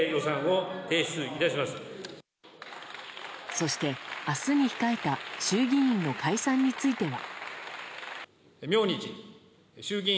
そして、明日に控えた衆議院の解散については。